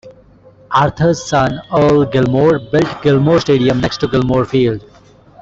Arthur's son Earl Gilmore built Gilmore Stadium next to Gilmore Field.